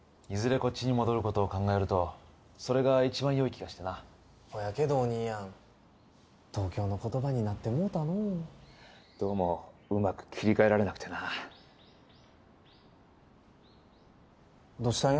こっちに戻ることを考えるとそれが一番よい気がしてなほやけどお兄やん東京の言葉になってもうたのうどうもうまく切り替えられなくてなどうしたんや？